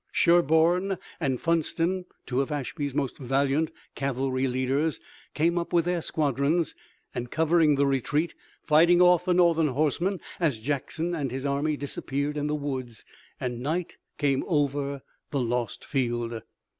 Sherburne and Funsten, two of Ashby's most valiant cavalry leaders, came up with their squadrons, and covered the retreat, fighting off the Northern horsemen as Jackson and his army disappeared in the woods, and night came over the lost field.